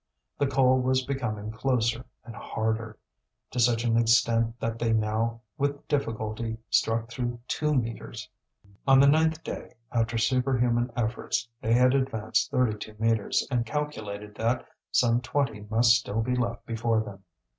The coal was becoming closer and harder, to such an extent that they now with difficulty struck through two metres. On the ninth day, after superhuman efforts, they had advanced thirty two metres, and calculated that some twenty must still be left before them.